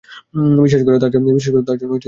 বিশ্বাস করো, তার জন্য আফসোস হচ্ছে।